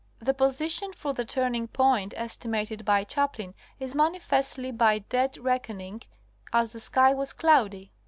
The position for the turning point estimated by Chaplin is manifestly by dead reckoning, as the sky was cloudy.